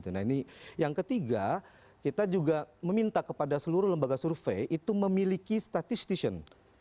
nah ini yang ketiga kita juga meminta kepada seluruh lembaga survei itu memiliki statistition